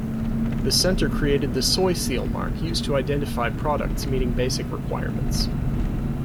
The center created the SoySeal mark used to identify products meeting basic requirements.